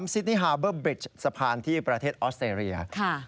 ซินิฮาเบอร์เบรชสะพานที่ประเทศออสเตรเลีย